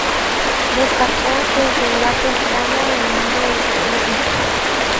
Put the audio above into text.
Destacó desde edad temprana en el mundo del ciclismo.